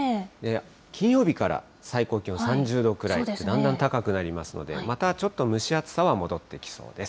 金曜日から最高気温３０度くらいと、だんだん高くなりますので、またちょっと蒸し暑さは戻ってきそうです。